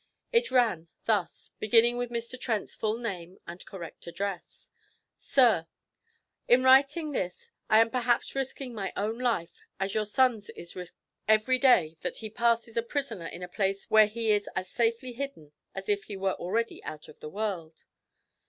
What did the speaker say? It ran thus, beginning with Mr. Trent's full name and correct address: 'SIR, 'In writing this I am perhaps risking my own life, as your son's is risked every day that he passes a prisoner in a place where he is as safely hidden as if he were already out of the world.